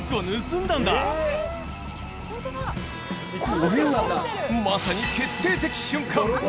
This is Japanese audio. これはまさに決定的瞬間